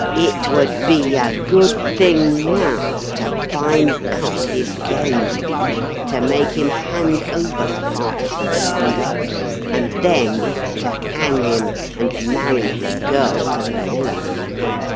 It would be a good thing, now, to find out his game, to make him hand over a part of the plunder, and then to hang him and marry the girl to the mUler."